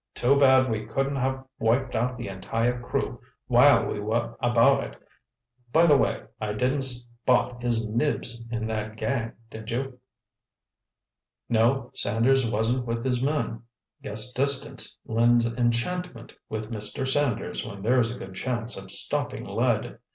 Too bad we couldn't have wiped out the entire crew while we were about it. By the way, I didn't spot His Nibs in that gang, did you?" "No, Sanders wasn't with his men. Guess distance lends enchantment with Mr. Sanders when there's a good chance of stopping lead!